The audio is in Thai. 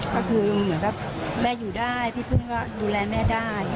ก็คือแม่อยู่ได้พี่พึ่งก็ดูแลแม่ได้